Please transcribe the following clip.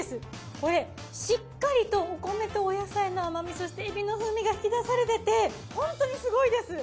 これしっかりとお米とお野菜の甘みそしてエビの風味が引き出されててホントにすごいです。